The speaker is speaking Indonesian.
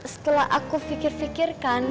setelah aku pikir pikirkan